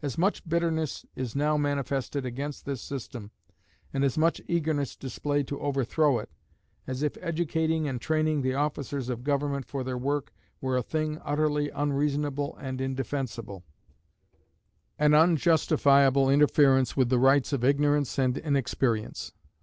As much bitterness is now manifested against this system, and as much eagerness displayed to overthrow it, as if educating and training the officers of government for their work were a thing utterly unreasonable and indefensible, an unjustifiable interference with the rights of ignorance and inexperience.